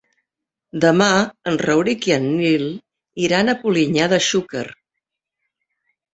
Demà en Rauric i en Nil iran a Polinyà de Xúquer.